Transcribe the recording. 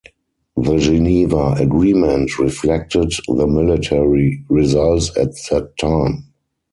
The Geneva agreement reflected the military results at that time.